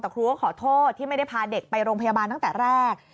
แต่ครูก็ขอโทษที่ไม่ได้พาเด็กไปโรงพยาบาลตั้งแต่แรก